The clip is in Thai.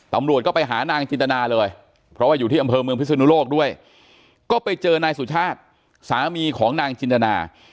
ตำรวจก็ไปหานางจินตนาเลยเพราะว่าอยู่ที่อำเภอเมืองพิศนุโลกด้วยก็ไปเจอนายสุชาติสามีของนางจินตนา